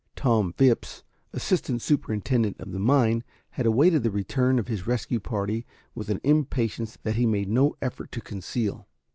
Tom Phipps, assistant superintendent of the mine, had awaited the return of his rescue party with an impatience that he made no effort to conceal.